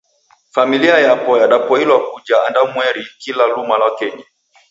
Familia yapo yadapoilwa kuja andwamweri kila luma lwa kenyi.